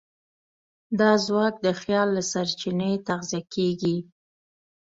دا ځواک د خیال له سرچینې تغذیه کېږي.